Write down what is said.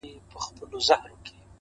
• د زمري تر خولې را ووتل آهونه ,